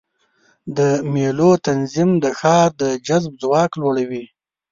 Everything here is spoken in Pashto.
د مېلو تنظیم د ښار د جذب ځواک لوړوي.